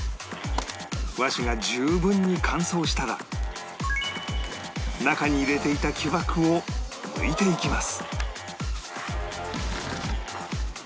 和紙が十分に乾燥したら中に入れていた木枠を抜いていきます